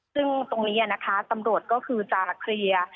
ซึ่งตรงนี้นะคะตำรวจก็คือจะเคลียร์